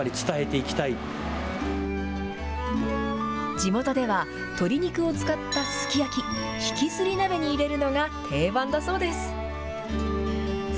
地元では、鶏肉を使ったすき焼き、ひきずり鍋に入れるのが定番だそうです。